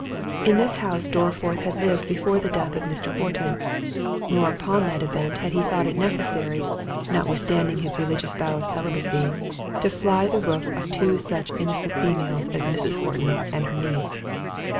In this house Dorriforth had lived before the death of Mr. Horton; nor upon that event had he thought it necessary, notwithstanding his religious vow of celibacy, to fly the roof of two such innocent females as Mrs. Horton and her niece.